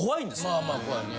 まあまあ怖いね。